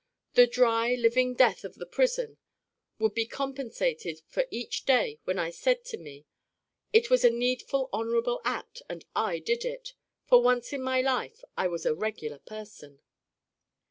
The dry living death of the prison would be compensated for each day when I said to Me, 'It was a needful honorable act and I did it: for once in my life I was a Regular Person.